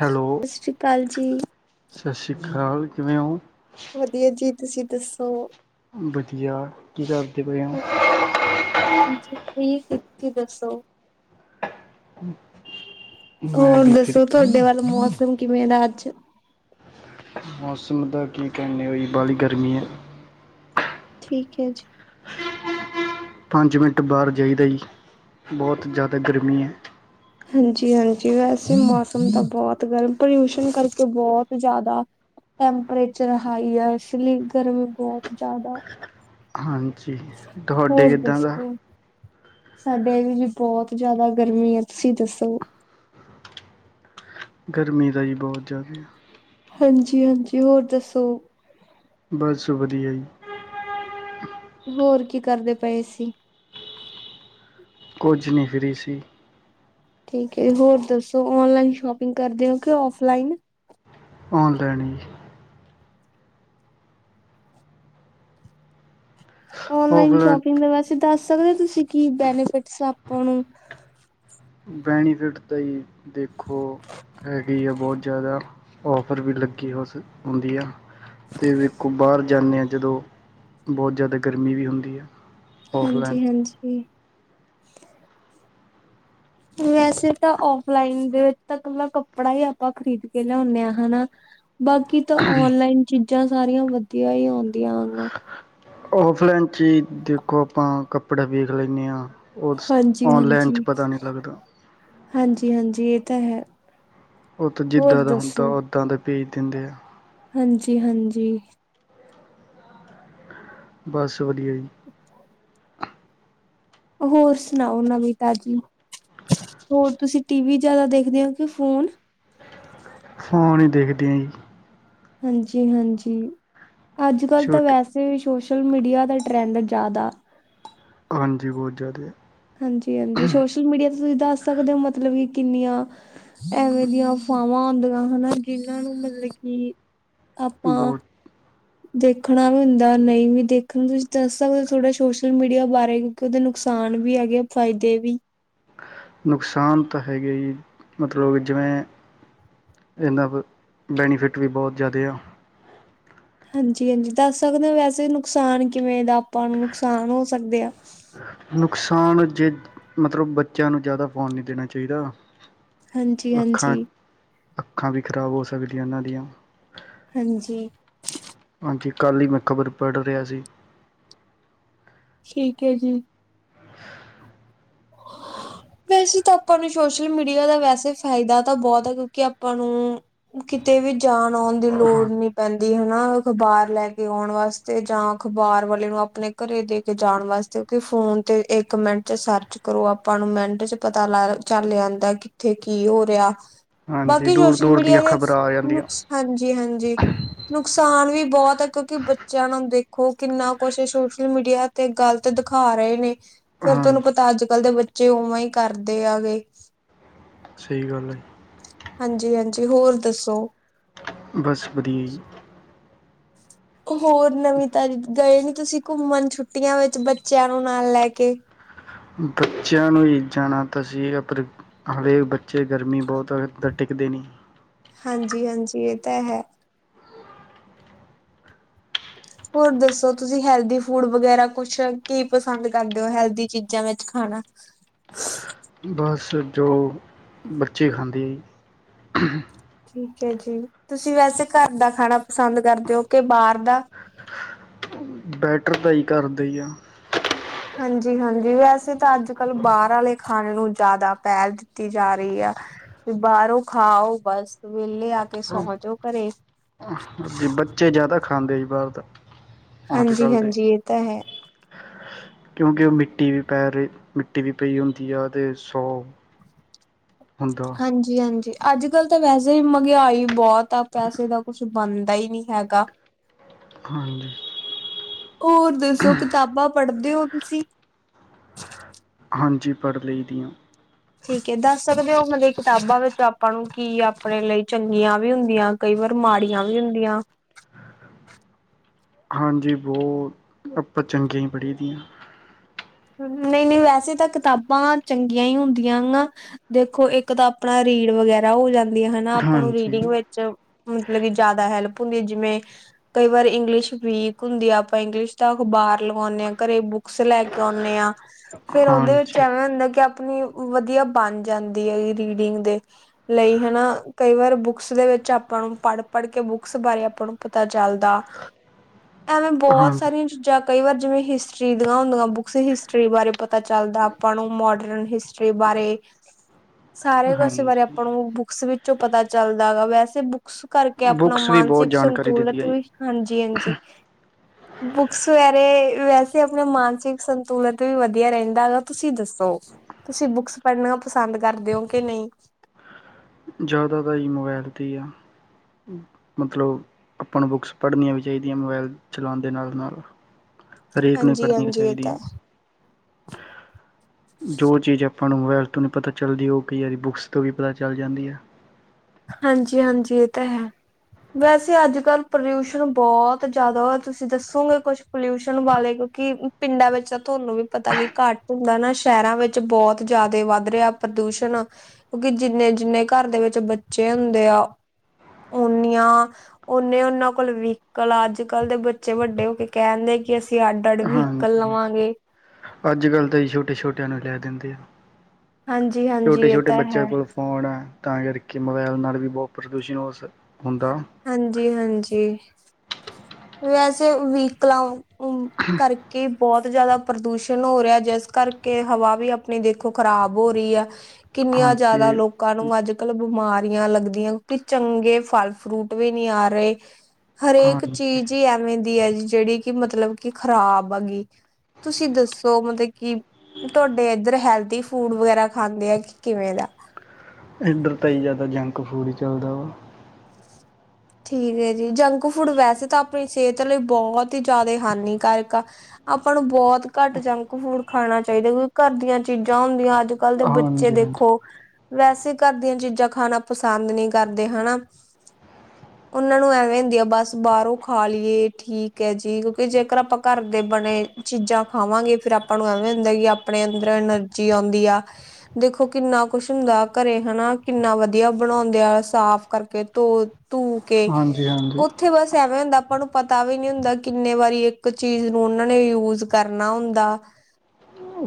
Hello ਸਤਿ ਸ੍ਰੀ ਅਕਾਲ ਜੀ, ਸਤਿ ਸ਼੍ਰੀ ਅਕਾਲ, ਕਿਵੇਂ ਹੋ? ਵਧੀਆ ਜੀ, ਤੁਸੀਂ ਦੱਸੋ? ਵਧੀਆ, ਕੀ ਕਰਦੇ ਪਏ ਔ? ਹਾਂਜੀ ਫ੍ਰੀ ਸੀ ਤੁਸੀਂ ਦੱਸੋ? [unintelligible] ਮੈਂ ਹੋਰ ਵੀ ਫਰੀ ਦੱਸੋ ਸੀ। ਤੁਹਾਡੇ ਵੱਲ ਮੌਸਮ ਕਿਵੇਂ ਦਾ ਅੱਜ? [unintelligible] ਮੌਸਮ ਦਾ ਕੀ ਕਹਿੰਦੇ ਹੋ ਵਾਲ ਗਰਮੀ ਐ। ਠੀਕ ਹੈ ਜੀ, ਪੰਜ ਮਿੰਟ ਬਾਹਰ ਜਾਈਦਾ ਜੀ ਬਹੁਤ ਜ਼ਿਆਦਾ ਗਰਮੀ ਹੈ। ਹਾਂਜੀ-ਹਾਂਜੀ ਵੈਸੇ ਮੌਸਮ ਤਾਂ ਬਹੁਤ ਗਰਮ ਪੋਲਿਊਸ਼ਨ ਕਰਕੇ ਬਹੁਤ ਜ਼ਿਆਦਾ ਟੈਂਪਰੇਚਰ ਹਾਈ ਆ ਇਸ ਲਈ ਗਰਮੀ ਬਹੁਤ ਜ਼ਿਆਦਾ ਹਾਂਜੀ, ਜੀ ਤੁਹਾਡੇ ਹੋਰ ਕਿੱਦਾਂ ਦਾ? ਦੱਸੋ? ਸਾਡੇ ਵੀ ਬਹੁਤ ਜ਼ਿਆਦਾ ਗਰਮੀ ਹੈ, ਤੁਸੀਂ ਦੱਸੋ? ਗਰਮੀ ਦਾ ਜੀ ਬਹੁਤ ਜ਼ਾਦੇ ਆ। ਹਾਂਜੀ, ਹਾਂਜੀ ਹੋਰ ਦੱਸੋ ਬਸ ਵਧੀਆ ਜੀ। ਹੋਰ ਕੀ ਕਰਦੇ ਪਏ ਸੀ। ਕੁਝ ਨਹੀਂ ਫਰੀ ਸੀ। ਠੀਕ ਏ ਹੋਰ ਦੱਸੋ ਓਨਲਾਈਨ ਸ਼ੋਪਿੰਗ ਕਰਦੇ ਹੋ ਕਿ ਔਫਲਾਈਨ ਔਨਲਾਈਨ ਹੀ ਔਨਲਾਈਨ ਔਫਲਾਈਨ ਸ਼ੋਪਿੰਗ ਦੇ ਵੈਸੇ ਤਾਂ ਦਸ ਸਕਦੇ ਹੋ ਤੁਸੀਂ ਕੀ ਬੈਨੀਫਿਟਸ ਆਪਾਂ ਨੂੰ ਬੈਨੀਫਿਟ ਤਾਂ ਜੀ ਦੇਖੋ ਹੈਗੀ ਆ ਬਹੁਤ ਜ਼ਿਆਦਾ ਔਫਰ ਵੀ ਲੱਗੀ ਹੋ ਸਕ ਹੁੰਦੀ ਆ। ਤੇ ਵੇਖੋ ਬਾਹਰ ਜਾਂਨੇ ਆਂ। ਜਦੋਂ ਬਹੁਤ ਜ਼ਿਆਦਾ ਗਰਮੀ ਵੀ ਹੁੰਦੀ ਐ। ਹਾਂਜੀ, ਹਾਂਜੀ। ਵੈਸੇ ਤਾਂ ਔਫਲਾਈਨ ਦੇ ਵਿੱਚ ਤਾਂ ਕੱਪੜਾ ਹੀ ਆਪਾਂ ਖਰੀਦ ਕੇ ਲਿਆਉਂਦੇ ਹਾਂ ਹਨਾ। ਬਾਕੀ ਤਾਂ ਔਨਲਾਈਨ ਚੀ ਚੀਜ਼ਾਂ ਸਾਰੀਆਂ ਵਧੀਆ ਹੀ ਆਉਂਦੀਆਂ ਵਾਂ। ਔਫਲਾਈਨ ਚ ਹੀ ਦੇਖੋ ਆਪਾਂ ਕੱਪੜਾ ਵੇਖ ਲੈਂਦੇ ਹਾਂ। ਔਰ ਔਨਲਾਈਨ ਚ ਹਾਂਜੀ-ਹਾਂਜੀ, ਪਤਾ ਨਹੀਂ ਲੱਗਦਾ। ਜੀ ਹਾਂਜੀ, ਇਹ ਤਾਂ ਹੈ। ਉਹ ਤਾਂ ਹੋਰ ਜਿੱਦਾਂ ਦਾ ਹੁੰਦਾ ਓਦਾਂ ਦੇ ਭੇਜ ਦਿੰਦੇ ਆ। ਹਾਂਜੀ, ਹਾਂਜੀ। ਬਸ ਚੋਲੀ ਹੈ ਜੀ। ਹੋਰ ਸੁਣਾਓ ਨਵੀਂ ਤਾਜ਼ੀ, ਹੋਰ ਤੁਸੀਂ ਟੀਵੀ ਜਿਆਦਾ ਦੇਖਦੇ ਹੋ ਕਿ ਫੋਨ। ਫੋਨ ਹੀ ਦੇਖਦਿਆਂ ਜੀ। ਹਾਂਜੀ, ਹਾਂਜੀ। ਅੱਜ- ਕੱਲ੍ਹ ਤਾਂ ਛੋਟੇ ਵੈਸੇ ਵੀ ਸੋਸ਼ ਸੋਸ਼ਲ ਮੀਡੀਆ ਦਾ ਟਰੈਂਡ ਜ਼ਿਆਦਾ। ਹਾਂਜੀ ਬਹੁਤ ਜ਼ਾਦੇ ਆ। ਹਾਂਜੀ -ਹਾਂਜੀ ਸੋਸ਼ਲ ਮੀਡੀਆ ਤੇ ਤੁਸੀਂ ਦੱਸ ਸਕਦੇ ਹੋ ਮਤਲਬ ਕਿ ਕਿੰਨੀਆਂ ਐਵੇਂ ਦੀਆਂ ਅਫਾਵਾਂ ਆਉਂਦੀਆਂ ਹਨਾ ਜਿਨਾਂ ਨੂੰ ਮਤਲਬ ਕਿ ਆਪਾਂ ਬਹੁਤ ਦੇਖਣਾ ਵੀ ਹੁੰਦਾ ਨਹੀਂ ਵੀ ਦੇਖਣ ਤੁਸੀਂ ਦੱਸ ਸਕਦੇ ਥੋੜ੍ਹਾ ਸੋਸ਼ਲ ਮੀਡੀਆ ਬਾਰੇ ਕਿਉਂਕਿ ਉਹਦੇ ਨੁਕਸਾਨ ਵੀ ਹੈਗੇ ਆ ਫਾਇਦੇ ਵੀ। ਨੁਕਸਾਨ ਤਾਂ ਹੈਗਾ ਜੀ ਮਤਲਬ ਜਿਵੇਂ ਇਨਾਂ ਬੈਨੀਫਿਟ ਵੀ ਬਹੁਤ ਜ਼ਾਦੇ ਆ। ਹਾਂਜੀ- ਹਾਂਜੀ ਦੱਸ ਸਕਦੇ ਹੋ ਵੈਸੇ ਨੁਕਸਾਨ ਕਿਵੇਂ ਦਾ ਆਪਾਂ ਨੂੰ ਨੁਕਸਾਨ ਹੋ ਸਕਦੇ ਆ। ਨੁਕਸਾਨ ਜੇ ਮਤਲਬ ਬੱਚਿਆਂ ਨੂੰ ਜ਼ਿਆਦਾ ਫੋਨ ਨਹੀਂ ਦੇਣਾ ਚਾਹੀਦਾ। ਹਾਂਜੀ ਅੱਖਾਂ ਹਾਂਜੀ -ਅੱਖਾਂ ਵੀ ਖ਼ਰਾਬ ਹੋ ਸਕ ਤਵਲੀਆਂ ਉਹਨਾਂ ਦੀਆਂ ਹਾਂਜੀ। ਜੀ ਕੱਲ ਹੀ ਮੈਂ ਖਬਰ ਪੜ੍ਹ ਰਿਹਾ ਸੀ। ਠੀਕ ਹੈ ਜੀ। ਵੈਸੇ ਤਾਂ ਆਪਾਂ ਨੂੰ ਸੋਸ਼ਲ ਮੀਡੀਆ ਦਾ ਵੈਸੇ ਫਾਇਦਾ ਤਾਂ ਬਹੁਤ ਆ ਕਿਉਂਕਿ ਆਪਾਂ ਨੂੰ ਕਿਤੇ ਵੀ ਜਾਣ ਆਉਣ ਦੀ ਲੋੜ ਨੀ ਪੈਂਦੀ ਹਨਾ ਅਖ਼ਬਾਰ ਲੈ ਕੇ ਆਉਣ ਵਾਸਤੇ ਜਾਂ ਅਖਬਾਰ ਵਾਲੇ ਨੂੰ ਆਪਣੇ ਘਰੇ ਦੇ ਕੇ ਜਾਣ ਵਾਸਤੇ ਕਿ ਫੋਨ ਤੇ ਇੱਕ ਮਿੰਟ ਚ ਸਰਚ ਕਰੋ ਆਪਾਂ ਨੂੰ ਮਿੰਟ ਚ ਪਤਾ ਲਾ ਚੱਲ ਜਾਂਦਾ ਕਿੱਥੇ ਕੀ ਹੋ ਰਿਹਾ ਹਾਂਜੀ ਬਾਕੀ ਦੂਰ ਸੋਸ਼ਲ ਦੂਰ ਦੀਆਂ ਮੀਡੀਆ ਦੇ ਖ਼ਬਰਾਂ ਆ ਨੁਕ ਜਾਂਦੀਆਂ ਹਾਂਜੀ ਹਾਂਜੀ ਨੁਕਸਾਨ ਵੀ ਬਹੁਤ ਹੈ ਕਿਉਂਕਿ ਬੱਚਿਆਂ ਨੂੰ ਦੇਖੋ ਕਿੰਨਾ ਕੁਛ ਸੋਸ਼ਲ ਮੀਡੀਆ ਤੇ ਗ਼ਲਤ ਦਿਖਾ ਰਹੇ ਨੇ ਫੇਰ ਤੁਹਾਨੂੰ ਹਾਂਜੀ ਪਤਾ ਅੱਜ ਕਲ ਦੇ ਬੱਚੇ ਉਵਾਂ ਉ ਕਰਦੇ ਆ ਗੇ। ਸਹੀ ਗੱਲ ਹੈ ਹਾਂਜੀ ਹਾਂਜੀ ਹੋਰ ਦੱਸੋ। ਬਸ ਵਧੀਆ ਜੀ। ਹੋਰ ਨਵੀਂ ਤਾਜੀ ਗਏ ਨੀ ਤੁਸੀਂ ਘੁੰਮਣ ਛੁੱਟੀਆਂ ਵਿੱਚ ਬੱਚਿਆਂ ਨੂੰ ਨਾਲ ਲੈ ਕੇ। ਬੱਚਿਆਂ ਨੂੰ ਹੀ ਜਾਣਾ ਤਾਂ ਸੀਗਾ ਪਰ ਹਲੇ ਬੱਚੇ ਗਰਮੀ ਬਹੁਤ ਆ ਟਿੱਕਦੇ ਨੀਂ। ਹਾਂਜੀ ਹਾਂਜੀ ਏ ਤਾਂ ਹੈ। ਹੋਰ ਦੱਸੋ ਤੁਸੀ ਹੈਲਦੀ ਫੂਡ ਵਗੈਰਾ ਕੁਛ ਕੀ ਪਸੰਦ ਕਰਦੇ ਹੋ ਹੈਲਦੀ ਚੀਜ਼ਾਂ ਵਿੱਚ ਖਾਣਾ। ਬਸ ਜੋ ਬੱਚੇ ਖਾਂਦੇ ਏ ਜੀ। ਠੀਕ ਹੈ ਜੀ ਤੁਸੀ ਵੈਸੇ ਘਰ ਦਾ ਖਾਣਾ ਪਸੰਦ ਕਰਦੇ ਹੋ ਕੇ ਬਾਹਰ ਦਾ। ਬੈਟਰ ਤਾਂ ਈ ਘਰਦੇ ਹੀ ਆ। ਹਾਂਜੀ ਹਾਂਜੀ ਵੈਸੇ ਤਾਂ ਅੱਜ ਕੱਲ ਬਾਹਰ ਆਲੇ ਖਾਣੇ ਨੂੰ ਜਿਆਦਾ ਪਹਿਲ ਦਿੱਤੀ ਜਾ ਰਹੀ ਆ ਵੀ ਬਾਹਰੋਂ ਖਾ ਆਓ ਬਸ ਵੇਹਲੇ ਆ ਕੇ ਸੋਂ ਜੋ ਘਰੇ। ਜੀ ਬੱਚੇ ਜ਼ਿਆਦਾ ਖਾਂਦੇ ਜੀ ਬਾਹਰ ਦਾ ਅੱਜ ਹਾਂਜੀ ਕੱਲ੍ਹ ਦੇ ਹਾਂਜੀ ਇਹ ਤਾਂ ਹੈ। ਕਿਉਂਕਿ ਮਿੱਟੀ ਵੀ ਪੈਰੇ ਮਿੱਟੀ ਵੀ ਪਈ ਹੁੰਦੀ ਆ ਤੇ ਸੌ ਹੁੰਦਾ ਹਾਂਜੀ ਹਾਂਜੀ। ਅੱਜ ਕੱਲ੍ਹ ਤਾਂ ਵੈਸੇ ਮਹਿੰਗਆਈ ਬਹੁਤ ਆ ਪੈਸੇ ਦਾ ਕੁਛ ਬਣਦਾ ਹੀ ਨੀ ਹੈਗਾ। ਹਾਂਜੀ ਹੋਰ ਦੱਸੋ ਕਿਤਾਬਾਂ ਪੜ੍ਹਦੇ ਓ ਤੁਸੀ। ਹਾਂਜੀ ਪੜ੍ਹ ਲਈ ਦੀਆਂ। ਠੀਕ ਹੈ ਦੱਸ ਸਕਦੇ ਹੋ ਮਤਲਬ ਕਿਤਾਬਾਂ ਵਿੱਚ ਆਪਾਂ ਨੂੰ ਕੀ ਆਪਣੇ ਲਈ ਚੰਗੀਆਂ ਵੀ ਹੁੰਦੀਆਂ ਕਈ ਵਾਰ ਮਾੜੀਆਂ ਵੀ ਹੁੰਦੀਆਂ। ਹਾਂਜੀ ਬਹੁਤ ਆਪਾਂ ਚੰਗਿਆਂ ਹੀ ਪੜ੍ਹੀ ਦੀ ਆਂ। ਨਹੀਂ ਨਹੀਂ ਵੈਸੇ ਤਾਂ ਕਿਤਾਬਾਂ ਚੰਗੀਆਂ ਹੀ ਹੁੰਦੀਆਂ ਨਾ ਦੇਖੋ ਇੱਕ ਤਾਂ ਆਪਣਾ ਰੀੜ ਵਗੈਰਾ ਹੋ ਜਾਂਦਾ। ਹਨਾ ਆਪਾਂ ਨੂੰ ਹਾਂਜੀ ਰੀਡਿੰਗ ਵਿੱਚ ਮਤਲਬ ਕਿ ਜ਼ਿਆਦਾ ਹੈਲਪ ਹੁੰਦੀ ਜਿਵੇਂ ਕਈ ਵਾਰ ਇੰਗਲਿਸ਼ ਵੀਕ ਹੁੰਦੀ ਆ ਆਪਾਂ ਇੰਗਲਿਸ਼ ਦਾ ਅਖ਼ਬਾਰ ਲਵਾਉਂਨੇ ਹਾਂ ਘਰੇ ਬੁੱਕਸ ਲੈ ਕੇ ਕੇ ਆਉਂਨੇ ਆਂ। ਫੇਰ ਉਹਦੇ ਵਿੱਚ ਹਾਂਜੀ ਐਵੇਂ ਹੁੰਦਾ ਕਿ ਆਪਣੀ ਵਧੀਆ ਬਣ ਜਾਂਦੀ ਹੈ ਰੀਡਿੰਗ ਦੇ ਲਈ ਹੈਨਾ ਕਈ ਵਾਰ ਬੁਕਸ ਦੇ ਵਿਚ ਆਪਾਂ ਨੂੰ ਪੜ ਪੜ੍ਹ ਕੇ ਬੁਕਸ ਬਾਰੇ ਆਪਾਂ ਨੂੰ ਪਤਾ ਚਲਦਾ। ਐਵੇਂ ਬਹੁਤ ਹਾਂ ਸਾਰੀਆਂ ਚੀਜ਼ਾਂ ਕਈ ਵਾਰ ਜਿਵੇਂ ਹਿਸਟਰੀ ਦੀਆਂ ਹੁੰਦੀਆਂ ਬੁੱਕਸ ਹਿਸਟਰੀ ਬਾਰੇ ਪਤਾ ਚੱਲਦਾ ਆਪਾਂ ਨੂੰ ਮੋਡਰਨ ਹਿਸਟਰੀ ਬਾਰੇ। ਸਾਰੇ ਕੁਛੇ ਬਾਰੇ ਹਾਂਜੀ ਆਪਾਂ ਨੂੰ ਬੁਕਸ ਵਿੱਚ ਜੋ ਪਤਾ ਚੱਲਦਾ ਗਾ ਵੈਸੇ ਬੁੱਕਸ ਕਰਕੇ ਆਪਣਾ ਬੁੱਕਸ ਵੀ ਬਹੁਤ ਮਾਨਸਿਕ ਜਾਣਕਾਰੀ ਸੰਤੁਲਿਤ ਦਿੰਦੀਆਂ ਜੀ, ਵੀ ਹਾਂਜੀ ਹਾਂਜੀ। ਬੁੱਕਸ ਵੈਰੇ ਵੈਸੇ ਅਪਣੇ ਮਾਨਸਿਕ ਸੰਤੁਲਿਤ ਵੀ ਵਧੀਆ ਰਹਿੰਦਾ ਵਾ। ਤੁਸੀਂ ਦੱਸੋ ਤੁਸੀ ਬੁੱਕਸ ਪੜ੍ਹਨਾ ਪਸੰਦ ਕਰਦੇ ਹੋ ਕਿ ਨਹੀਂ? ਜ਼ਿਆਦਾ ਤਾਂ ਜੀ਼ ਮੋਬਾਇਲ ਤੇ ਹੀ ਆ ਮਤਲਬ ਆਪਾਂ ਨੂੰ ਬੁੱਕਸ ਪੜ੍ਹਨੀਆਂ ਵੀ ਚਾਹੀਦੀਆਂ ਮੋਬਾਇਲ ਚਲਾਉਣ ਦੇ ਨਾਲ ਨਾਲ। ਹਰੇਕ ਨੂੰ ਹਾਂਜੀ ਪੜ੍ਹਨੀਆਂ ਹਾਂਜੀ ਇਹ ਤਾਂ ਚਾਹੀਦੀਆਂ ਹੈ ਜੋ ਚੀਜ਼ ਆਪਾਂ ਨੂੰ ਮੋਬਾਇਲ ਤੋਂ ਨਹੀਂ ਪਤਾ ਚੱਲਦੀ ਉਹ ਕਈ ਵਾਰੀ ਬੁੱਕਸ ਤੋਂ ਵੀ ਪਤਾ ਚੱਲ ਜਾਂਦੀ ਹੈ ਹਾਂਜੀ ਹਾਂਜੀ ਇਹ ਤਾਂ ਹੈ ਵੈਸੇ ਅੱਜ ਕੱਲ ਪੋਲਿਊਸ਼ਨ ਬਹੁਤ ਜ਼ਿਆਦਾ ਤੁਸੀਂ ਦੱਸੋਗੇ ਕੁਛ ਪੋਲਿਊਸ਼ਨ ਵਾਲੇ ਕਿਉਂਕਿ ਪਿੰਡਾਂ ਵਿੱਚ ਤਾਂ ਤੁਹਾਨੂੰ ਵੀ ਪਤਾ ਕੀ ਘੱਟ ਹੁੰਦਾ ਨਾ ਸ਼ਹਿਰਾਂ ਵਿੱਚ ਬਹੁਤ ਜ਼ਿਆਦਾ ਵੱਧ ਰਿਹਾ ਪ੍ਰਦਿਊਸ਼ਣ ਕਿਉਂਕਿ ਜਿੰਨੇ ਜਿੰਨੇ ਘਰ ਦੇ ਵਿੱਚ [unintelligible] ਬੱਚੇ ਹੁੰਦੇ ਆ ਓਨੀਆਂ ਓਨੇ ਉਹਨਾਂ ਕੋਲ ਵਹੀਕਲ ਅੱਜ ਕੱਲ੍ਹ ਦੇ ਬੱਚੇ ਵੱਡੇ ਹੋ ਕੇ ਕਹਿਣਦੇ ਕਿ ਅਸੀਂ ਅੱਡ ਅੱਡ ਵਹੀਕਲ ਹਾਂਜੀ ਲਵਾਂਗੇ ਅੱਜ ਕੱਲ੍ਹ ਤਾਂ ਹੀ ਛੋਟੇ ਛੋਟਿਆਂ ਨੂੰ ਹੀ ਲੈ ਦਿੰਦੇ ਆ ਹਾਂਜੀ ਹਾਂਜੀ ਛੋਟੇ ਇਹ ਛੋਟੇ ਤਾਂ ਬੱਚਿਆਂ ਹੈ ਕੋਲ ਫੋਨ ਹੈ ਤਾਂ ਕਰਕੇ ਮੋਬਾਇਲ ਨਾਲ ਵੀ ਬਹੁਤ ਪ੍ਰਦੂਸ਼ਣ ਹੋ ਸਕ ਹਾਂਜੀ ਹਾਂਜੀ ਵੈਸੇ ਵੀਕ [unintelligible] ਉ ਕਰਕੇ ਬਹੁਤ ਜ਼ਿਆਦਾ ਪ੍ਰਦੂਸ਼ਣ ਹੋ ਰਿਹਾ ਜਿਸ ਕਰਕੇ ਹਵਾ ਵੀ ਆਪਣੀ ਦੇਖੋ ਖ਼ਰਾਬ ਹੋ ਰਹੀ ਹੈ ਕਿੰਨੀਆਂ ਜਿਆਦਾ ਹਾਂਜੀ ਲੋਕਾਂ ਨੂੰ ਅੱਜ ਕੱਲ ਬਿਮਾਰ ਲੱਗਦੀਆਂ ਕਿਉਂਕਿ ਚੰਗੇ ਫਲ ਫਰੂਟ ਵੀ ਨੀ ਆ ਰਹੇ ਹਰੇਕ ਹਾਂਜੀ ਚੀਜ਼ ਹੀ ਐਵੇਂ [unintelligible] ਜਿਹੜੀ ਕਿ ਮਤਲਬ ਕੀ ਖ਼ਰਾਬ ਆਗੀ ਤੁਸੀਂ ਦੱਸੋ ਮਤਲਬ ਕੀ ਤੁਹਾਡੇ ਏਧਰ ਹੈਲਥ ਫੂਡ ਵਗੈਰਾ ਖਾਂਦੇ ਆ ਕਿ ਕਿਵੇਂ ਦਾ ਇੱਧਰ ਤਾਂ ਹੀ ਜ਼ਿਆਦਾ ਜੰਕ ਫੂਡ ਹੀ ਚੱਲਦਾ ਵਾ ਠੀਕ ਹੈ ਜੀ ਜੰਕ ਫੂਡ ਵੈਸੇ ਤਾਂ ਆਪਣੀ ਸਿਹਤ ਲਈ ਬਹੁਤ ਹੀ ਜ਼ਿਆਦਾ ਹਨਾਨੀਕਾਰਕ ਆ ਆਪਾਂ ਨੂੰ ਬਹੁਤ ਘੱਟ ਜੰਕ ਫੂਡ ਖਾਣਾ ਚਾਹੀਦਾ ਕਿਉਕਿ ਘਰ ਦੀਆਂ ਚੀਜ਼ਾਂ ਹੁੰਦੀਆਂ ਅੱਜ ਕੱਲ ਦੇ ਬੱਚੇ ਹਾਂਜੀ ਹਾਂਜੀ ਦੇਖੋ ਵੈਸੇ ਘਰ ਦੀਆਂ ਚੀਜ਼ਾਂ ਖਾਣਾ ਪਸੰਦ ਨਹੀਂ ਕਰਦੇ ਹਨਾ ਉਹਨਾਂ ਨੂੰ ਐਵੇਂ ਹੁੰਦੀ ਆ ਬਸ ਬਾਹਰੋਂ ਖਾ ਲਈਏ ਠੀਕ ਹੈ ਜੀ ਕਿਉਂਕਿ ਜੇਕਰ ਆਪਾਂ ਘਰ ਦੇ ਬਣੇ ਚੀਜ਼ਾਂ ਖਾਵਾਂਗੇ ਫੇਰ ਆਪਾਂ ਨੂੰ ਐਵੇਂ ਹੁੰਦਾ ਕਿ ਆਪਣੇ ਅੰਦਰ ਐਨਰਜੀ ਆਉਂਦੀ ਆ ਦੇਖੋ ਕਿੰਨਾ ਕੁਛ ਹੁੰਦਾ ਘਰੇ ਹਨਾ ਕਿੰਨਾ ਵਧੀਆ ਬਣਾਉਂਦੇ ਆ ਸਾਫ ਕਰਕੇ ਧੋ ਤੂੰ ਕੇ ਹਾਂਜੀ ਹਾਂਜੀ ਉੱਥੇ ਬਸ ਐਵੇਂ ਹੁੰਦਾ ਆਪਾਂ ਨੂੰ ਪਤਾ ਵੀ ਨਹੀਂ ਹੁੰਦਾ ਕਿੰਨੇ ਵਾਰੀ ਇੱਕ ਚੀਜ਼ ਨੂੰ ਉਹਨਾਂ ਨੇ ਯੂਜ ਕਰਨਾ ਹੁੰਦਾ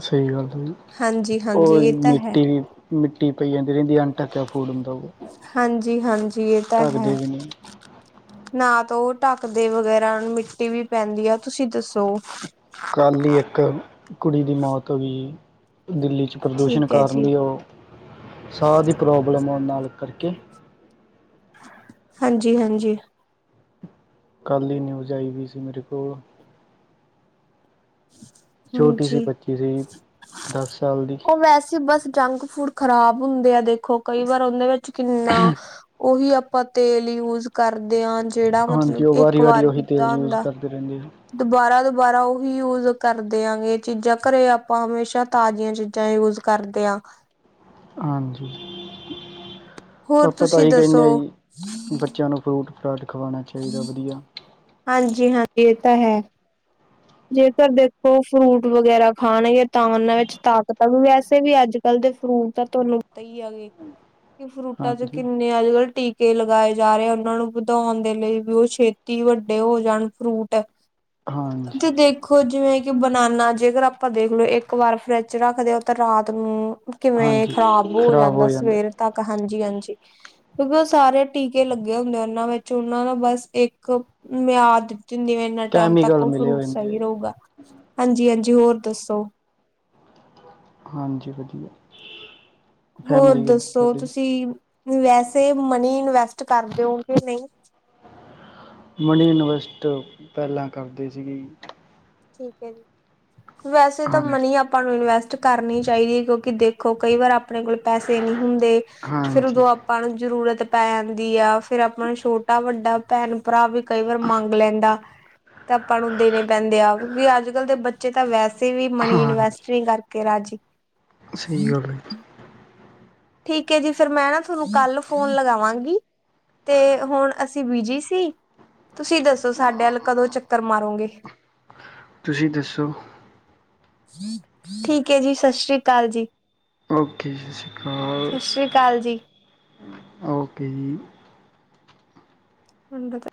ਸਹੀ ਗੱਲ ਹਾਂਜੀ ਹਾਂਜੀ ਉਹ ਇਹ ਤਾਂ ਹੈ ਮਿੱਟੀ ਵੀ ਮਿੱਟੀ ਮਿੱਟੀ ਪਈ ਜਾਂਦੀ ਜਾਂਦੀ ਆ ਅਣਢੱਕਿਆ ਫੂਡ ਹੁੰਦਾ ਹਾਂਜੀ ਹਾਂਜੀ ਜੀ ਏ ਤਾ ਢੱਕਦੇ ਹੈ ਵੀ ਨਹੀਂ ਨਾ ਤਾਂ ਉਹ ਢੱਕਦੇ ਵਗੈਰਾ ਮਿੱਟੀ ਵੀ ਪੈਂਦੀ ਆ ਤੁਸੀਂ ਦੱਸੋ ਕਲ ਹੀ ਇੱਕ ਕੁੜੀ ਦੀ ਮੌਤ ਹੋ ਗਈ ਦਿੱਲੀ ਪ੍ਰਦੂਸ਼ਣ ਠੀਕ ਹੈ ਕਾਰਨ ਜੀ ਲਈ ਆ ਸਾਹ ਦੀ ਪ੍ਰੋਬਲਮ ਆ ਨਾਲ ਕਰਕੇ ਹਾਂਜੀ ਹਾਂਜੀ ਕੱਲ੍ਹ ਦੀ ਨਿਊਜ਼ ਆਈਵੀ ਸੀ ਮੇਰੇ ਕੋਲ ਛੋਟੀ ਸੀ ਹਾਂਜੀ ਬੱਚੀ ਸੀ ਦਸ ਸਾਲ ਦੀ ਉਹ ਵੈਸੇ ਬਸ ਜੰਕ ਫੂਡ ਖ਼ਰਾਬ ਹੁੰਦੇ ਆ ਦੇਖੋ ਕਈ ਵਾਰ ਓਂਦੇ ਵਿੱਚ ਕਿੰਨਾ ਉਹੀ ਆਪਾਂ ਤੇਲ ਯੂਜ਼ ਕਰਦੇ ਆ ਜਿਹੜਾ ਮਤਲਬ ਹਾਂਜੀ ਉਹ ਇੱਕ ਵਾਰੀ ਵਾਰੀ ਵਾਰ ਉਹੀ ਤੇਲ ਕੀਤਾ ਯੂਜ਼ ਹੁੰਦਾ ਕਰਦੇ ਰਹਿੰਦੇ ਆ ਦੁਬਾਰਾ ਦੁਆਰਾ ਉਹੀ ਯੂ ਕਰ ਦੇਆਂਗੇ ਚੀਜ਼ਾਂ ਘਰੇ ਆਪਾਂ ਹਮੇਸ਼ਾ ਤਾਜ਼ੀਆਂ ਚੀਜ਼ਾਂ ਯੂਜ ਕਰਦੇ ਆ ਹਾਂਜੀ ਹੋਰ ਆਪਾ ਤਾਂ ਤੁਸੀਂ ਆਹੀ ਕਿਹਨੇ ਦੱਸੋ ਹਾਂ ਜੀ ਬੱਚਿਆਂ ਨੂੰ ਫਰੂਟ ਸਾਰੇ [unintelligible] ਹਾਂਜੀ ਹਾਂ ਇਹ ਤਾਂ ਹੈ ਜੇਕਰ ਦੇਖੋ ਫਰੂਟ ਵਗੈਰਾ ਖਾਣਗੇ ਤਾਂ ਉਹਨਾਂ ਵਿੱਚ ਤਾਕਤ ਆਉ ਵੈਸੇ ਵੀ ਅੱਜ ਕੱਲ ਦੇ ਫਰੂਟ ਤਾਂ ਤੁਹਾਨੂੰ ਪਤਾ ਹੀ ਆ ਗੇ ਕਿ ਫਰੂਟਾਂ ਚ ਹਾਂਜੀ ਕਿੰਨੇ ਅੱਜ ਕੱਲ੍ਹ ਟੀ ਕੇ ਲਗਾਏ ਜਾ ਰਹੇ ਉਹਨਾਂ ਨੂੰ ਵਧਾਉਣ ਦੇ ਲਈ ਵੀ ਉਹ ਛੇਤੀ ਵੱਡੇ ਹੋ ਜਾਣ ਫਰੂਟ ਹਾਂਜੀ ਜੇ ਦੇਖੋ ਜਿਵੇਂ ਕਿ ਬਨਾਨਾ ਜੇਕਰ ਆਪਾਂ ਦੇਖਲਓ ਇੱਕ ਵਾਰ ਫਰਿੱਜ ਰੱਖਦੇ ਹੋ ਤਾਂ ਰਾਤ ਨੂੰ ਕਿਵੇਂ ਖ਼ਰਾਬ ਹੋ ਜਾਂਦਾ ਸਵੇਰ ਤੱਕ ਹਾਂ ਜੀ ਹਾਂਜੀ ਕਿਉਂਕਿ ਉਹ ਸਾਰੇ ਟੀਕੇ ਲੱਗੇ ਹੁੰਦੇ ਆ ਉਹਨਾਂ ਵਿੱਚ ਉਹਨਾਂ ਨੂੰ ਬਸ ਇੱਕ ਮਿਆਦ ਦਿੰਦੀਵੇ ਇਨਾ ਟਾਈਮ ਤੱਕ ਕੈਮੀਕਲ ਮਿਲੇ ਹੋਏ ਫਰੂਟ ਹੁੰਦੇ ਆ ਸਹੀ ਜੀ ਰਹੂਗਾ ਹਾਂ ਜੀ ਹਾਂਜੀ ਹੋਰ ਦੱਸੋ ਹਾਂਜੀ ਵਧੀਆ ਹੋਰ ਫੈਮਿਲੀ ਕਿੱਦਾਂ ਦੱਸੋ ਤੁਹਾਡੀ ਤੁਸੀਂ ਵੈਸੇ ਮਨੀ ਇਨਵੈਸਟ ਕਰਦੇ ਓ ਕਿ ਨਹੀਂ ਮਨੀ ਇਨਵੈਸਟ ਪਹਿਲਾਂ ਕਰਦੇ ਸੀਗੇ ਈ ਠੀਕ ਹੈ ਜ ਵੈਸੇ ਤਾਂ ਹਾਂਜੀ ਮਨੀ ਆਪਾਂ ਨੂੰ ਇਨਵੈਸ ਟ ਕਰਨੀ ਚਾਹੀਦੀ ਹੈ ਕਿਉਂਕਿ ਦੇਖੋ ਕਈ ਵਾਰ ਆਪ ਆਪਣੇ ਕੋਲ ਪੈਸੇ ਨਹੀਂ ਹੁੰਦੇ ਫਿਰ ਹਾਂਜੀ ਉਦੋਂ ਆਪਾਂ ਨੂੰ ਜਰੂਰਤ ਪੈ ਜਾਂਦੀ ਆ ਫੇਰ ਆਪਾਂ ਨੂੰ ਛੋਟਾ ਵੱਡਾ ਭੈਣ ਭਰਾ ਵੀ ਕਈ ਵਾਰ ਮੰਗ ਲੈਂਦਾ ਤੇ ਆਪਾਂ ਨੂੰ ਦੇਣੇ ਪੈਂਦੇ ਆ ਅੱਜ ਕਲ ਦੇ ਬੱਚੇ ਤਾਂ ਵੈਸ ਸੇ ਵੀ, ਮਨੀ ਹਾਂਜੀ ਇਨਵੈਸਟ ਨਹੀਂ ਕਰਕੇ ਰਾਜੀ ਠੀਕ। ਸਹੀ ਗੱਲ! ਠੀਕ ਹੈ ਜੀ, ਫਿਰ ਮੈਂ ਨਾ ਤੁਹਾਨੂੰ ਕੱਲ ਫੋਨ ਲਗਾਵਾਂਗੀ ਤੇ, ਹੁਣ ਅਸੀਂ ਬਿਜੀ ਸੀ ਤੁਸੀਂ ਦੱਸ ਸਾਡੇ ਵੱਲ ਕਦੋਂ ਚੱਕਰ ਮਾਰੋਗੇ? ਤੁਸੀਂ ਦੱਸੋ? ਠੀਕ ਹੈ, ਜੀ। ਸਤਿ ਸ੍ਰੀ ਅਕਾਲ ਜੀ। ਓਕੇ-ਜੀ ਸ਼ ਹਾਂ, ਸਤਿ ਸ੍ਰੀ ਅਕਾਲ ਜੀ ਓਕੇ ਜੀ। ਹੱਡ ਤਾਂ